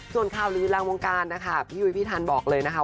ส่วนข้าวรีวิทยาลังวงการพี่วิทย์พี่ทันบอกเลยนะคะ